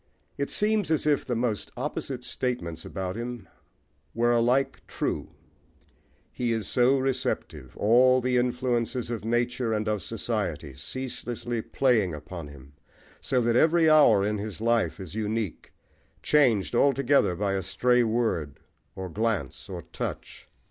It seems as if the most opposite statements about him were alike true: he is so receptive, all the influences of nature and of society ceaselessly playing upon him, so that every hour in his life is unique, changed altogether by a stray word, or glance, or touch.